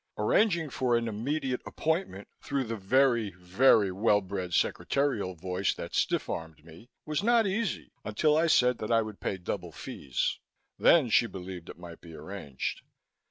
Arranging for an immediate appointment through the very, very well bred secretarial voice that stiff armed me was not easy until I said that I would pay double fees. Then she believed it might be arranged.